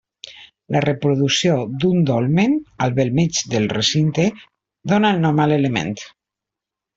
La reproducció d'un dolmen al bell mig del recinte dóna el nom a l'element.